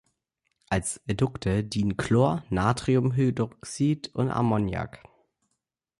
Als Edukte dienen Chlor, Natriumhydroxid und Ammoniak.